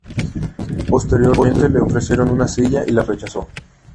Posteriormente le ofrecieron una silla y la rechazó.